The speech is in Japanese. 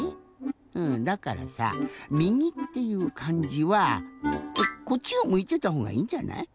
うんだからさ「右」っていうかんじはこっちをむいてたほうがいいんじゃない？